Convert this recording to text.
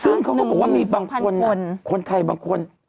ซึ่งเขาก็บอกว่ามีบางคนคนไทยบางคน